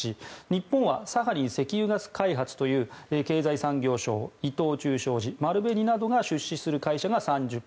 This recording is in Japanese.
日本はサハリン石油ガス開発という経済産業省伊藤忠商事、丸紅などが出資する会社が３０％。